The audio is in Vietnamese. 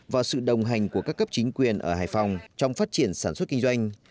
và sự đồng hành của các cấp chính quyền ở hải phòng trong phát triển sản xuất kinh doanh